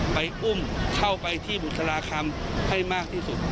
อุ้มเข้าไปที่บุษราคำให้มากที่สุด